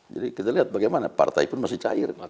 kita lihat bagaimana partai pun masih cair